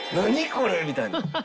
これ！みたいな。